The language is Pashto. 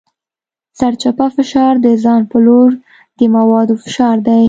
سرچپه فشار د ځان په لور د موادو فشار دی.